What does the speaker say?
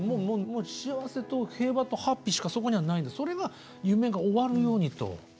もう幸せと平和とハッピーしかそこにはないんでそれが夢が終わるようにと。